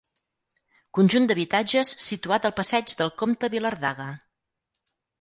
Conjunt d'habitatges situat al Passeig del Compte Vilardaga.